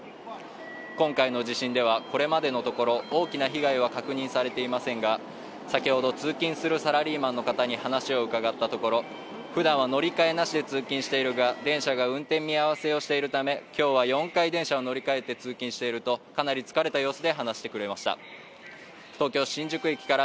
今回の地震では、これまでのところ大きな被害は確認されていませんが、先ほど通勤するサラリーマンの方に話を伺ったところ、普段は乗り換えなしで通勤しているが電車が運転見合せをしているため、今日は４回電車を乗り換えて通勤していると、かなり疲れた様子で話してくれました。